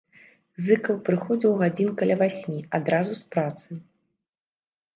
Зыкаў прыходзіў гадзін каля васьмі, адразу з працы.